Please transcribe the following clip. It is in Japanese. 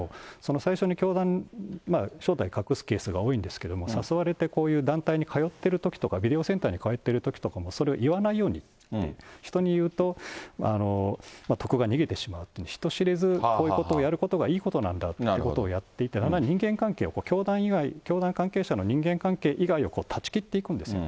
最初に教団、正体隠すケースが多いんですけれども、誘われてこういう団体に通ってるときとか、ビデオセンターに通ってるときとかも、それを言わないように、人に言うと徳が逃げてしまうと、人知れずこういうことをやることがいいことなんだということをやっていて、だんだん人間関係を、教団関係者の人間関係以外を断ち切っていくんですよ。